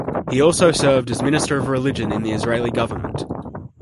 He also served as Minister of Religion in the Israeli government.